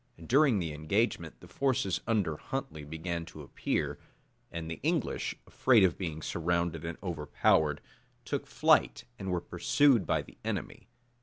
During the engagement, the forces under Huntley began to appear; and the English, afraid of being surrounded and overpowered, took to flight, and were pursued by the enemy.